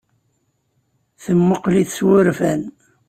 Temmuqqel-it s wurfan.